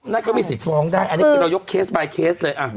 นั่นก็มีสิทธิ์ฟ้องได้อันนี้คือเรายกเคสบายเคสเลย